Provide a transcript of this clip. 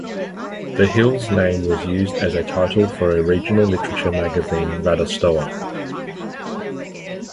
The hill's name was used as a title for a regional literature magazine, "Radostowa".